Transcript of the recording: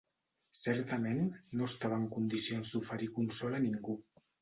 Certament no estava en condicions d'oferir consol a ningú.